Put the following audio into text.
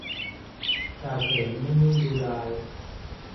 จ่าเฉยไม่นิ่งดูดาย